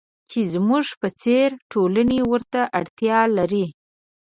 چې زموږ په څېر ټولنې ورته اړتیا لري.